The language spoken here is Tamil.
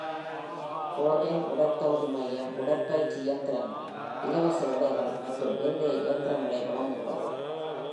ட்ரோஜன் உடற்தகுதி மையம் உடற்பயிற்சி இயந்திரங்கள், இலவச எடைகள் மற்றும் இருதய இயந்திரங்களை வழங்குகிறது.